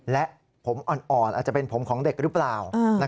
และผมอ่อนอาจจะเป็นผมของเด็กหรือเปล่า